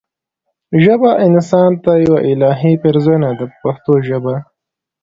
ژبه انسان ته یوه الهي پیرزوینه ده په پښتو ژبه.